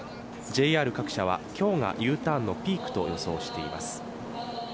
ＪＲ各社は今日がＵターンのピークと予想しています。